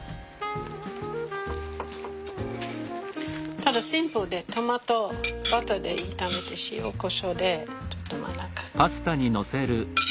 ただシンプルでトマトバターで炒めて塩こしょうでちょっと真ん中に。